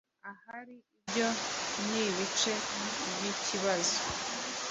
Ahari ibyo nibice byikibazo.